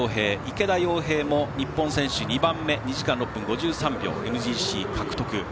池田耀平も、日本選手２番目２時間６分５３秒ＭＧＣ獲得。